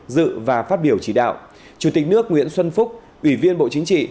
dự và phát biểu chỉ đạo chủ tịch nước nguyễn xuân phúc ủy viên bộ chính trị